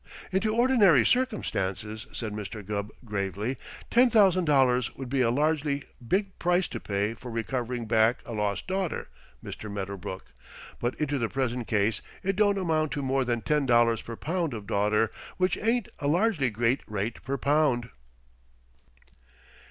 "Into ordinary circumstances," said Mr. Gubb gravely, "ten thousand dollars would be a largely big price to pay for recovering back a lost daughter, Mr. Medderbrook, but into the present case it don't amount to more than ten dollars per pound of daughter, which ain't a largely great rate per pound."